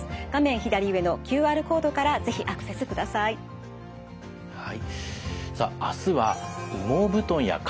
左上のＱＲコードから是非アクセスください。